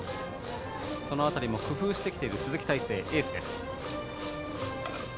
その辺りも工夫している鈴木泰成、エースです。